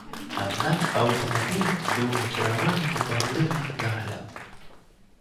Аднак аўтамабіль быў накіраваны на паглыблены дагляд.